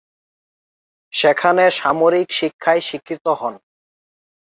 সেখানে সামরিক শিক্ষায় শিক্ষিত হন।